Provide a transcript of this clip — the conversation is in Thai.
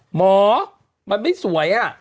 หมอมันไม่สวย